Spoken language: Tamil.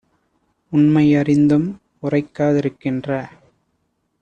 உண்மை யறிந்தும் உரைக்கா திருக்கின்ற